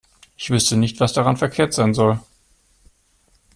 Ich wüsste nicht, was daran verkehrt sein soll.